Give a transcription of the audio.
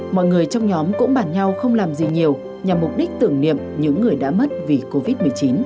mọi người trong nhóm cũng bàn nhau không làm gì nhiều nhằm mục đích tưởng niệm những người đã mất vì covid một mươi chín